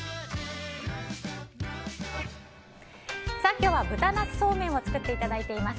今日は豚ナスそうめんを作っていただいています。